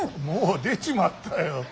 もう出ちまったよ。